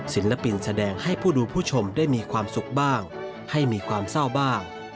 ศิลปินแสดงให้ผู้ดูผู้ชมได้มีความสุขบ้างให้มีความเศร้าบ้าง